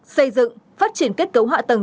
xây dựng phát triển kết cấu họa tầng